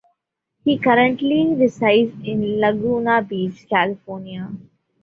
He currently resides in Laguna Beach, California.